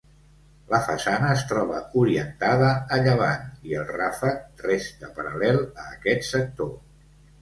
La façana es troba orientada a llevant i el ràfec resta paral·lel a aquest sector.